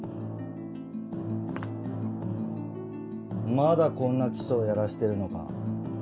まだこんな基礎をやらせてるのか。